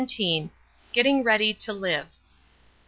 GETTING READY TO LIVE.